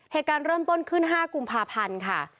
เหตุการณ์เริ่มต้นขึ้น๕กุมภาพันธ์ค่ะ